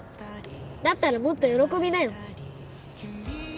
だったらもっと喜びなよ